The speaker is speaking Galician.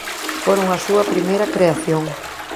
Foron a súa primeira creación.